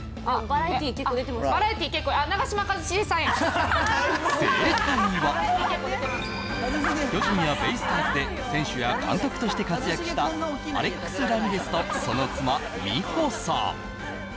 バラエティ結構巨人やベイスターズで選手や監督として活躍したアレックス・ラミレスとその妻・美保さん